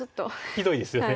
ひどいですよね。